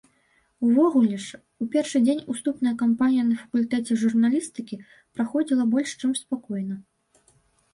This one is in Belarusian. Увогуле ж, у першы дзень уступная кампанія на факультэце журналістыкі праходзіла больш чым спакойна.